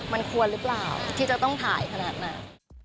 มันควรหรือเปล่าที่จะต้องถ่ายขนาดนั้น